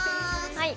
はい。